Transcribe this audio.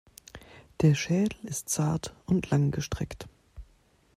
Der Schädel ist zart und langgestreckt.